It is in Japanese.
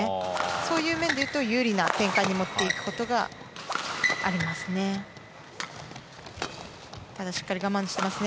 そういう面で言うと有利な展開に持っていくことがありますね。